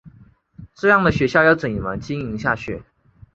这样的学校要怎么经营下去？